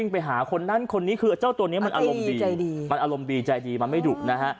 ไปหาคนนั้นคนนี้คือเจ้าตัวนี้มันอารมณ์ดีใจดีมันอารมณ์ดีใจดีมันไม่ดุนะฮะ